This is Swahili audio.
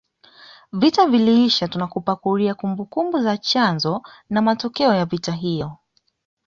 Vita viliisha tunakupakulia kumbukumbu za chanzo na matokeo ya vita hivyo